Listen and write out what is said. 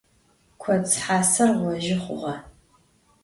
Kots haser ğojı xhuğe.